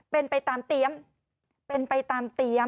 เป็นไปตามเตรียมเป็นไปตามเตรียม